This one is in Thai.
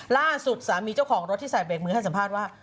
ล่าสุดสามีเจ้าของรถที่ใส่เบรกมือให้สัมภาษณ์ว่า